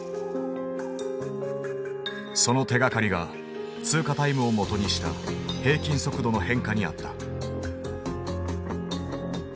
その手がかりが通過タイムを基にした平均速度の変化にあった。